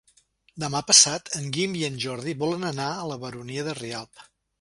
Demà passat en Guim i en Jordi volen anar a la Baronia de Rialb.